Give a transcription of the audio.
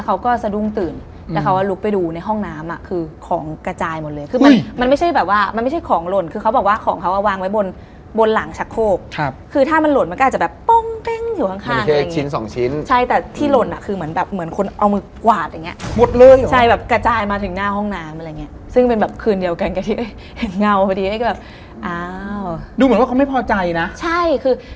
เขาไปโค้งคือมันยังมีบางโค้งที่กั้นถนนเป็นรูรถลงไปอย่างนี้